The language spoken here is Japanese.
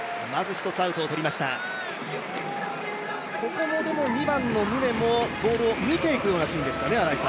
ここ、宗もボールを見ていくようなシーンでしたかね。